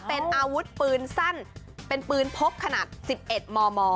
เป็นอาวุธปืนสั้นเป็นปืนพกขนาด๑๑มม